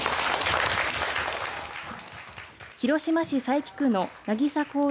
広島市佐伯区のなぎさ公園